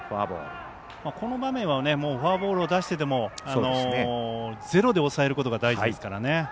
この場面はフォアボールを出してでもゼロで抑えることが大事ですから。